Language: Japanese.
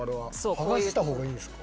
剥がした方がいいですか？